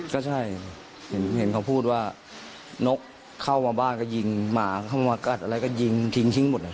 ก็ใช่เห็นเขาพูดว่านกเข้ามาบ้านก็ยิงหมาเข้ามากัดอะไรก็ยิงทิ้งหมดเลย